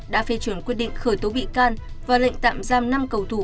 đã phê chuẩn quyết định khởi tố bị can và lệnh tạm giam năm cầu thủ